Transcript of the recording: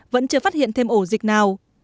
vẫn chưa phát hiện thêm ổ dịch nào